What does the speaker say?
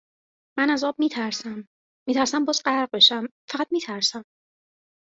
من از آب میترسم میترسم باز غرق بشم فقط میترسم